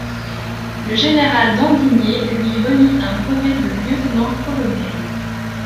Le général d'Andigné lui remit un brevet de lieutenant-colonel.